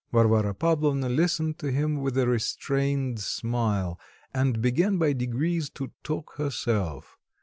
Varvara Pavlovna listened to him with a restrained smile and began by degrees to talk herself.